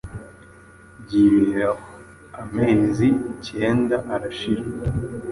Byibera aho. Amezi kenda arashira,